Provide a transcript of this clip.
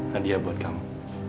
hadiah buat kamu